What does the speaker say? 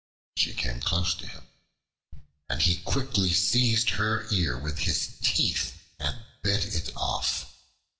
She came close to him, and he quickly seized her ear with his teeth and bit it off.